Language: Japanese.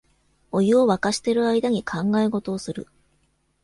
お湯をわかしてる間に考え事をする